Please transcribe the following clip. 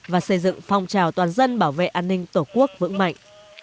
và xây dựng phong trào toàn dân bảo vệ an ninh tổ quốc vững mạnh